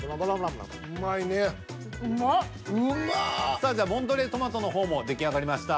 さあモントレー・トマトの方も出来上がりました。